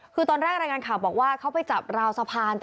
คือตอนแรกรายงานข่าวบอกว่าเขาไปจับราวสะพาน